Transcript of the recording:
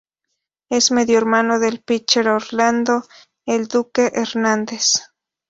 Es medio hermano del pitcher Orlando "El Duque" Hernández.